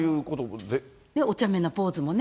おちゃめなポーズもね。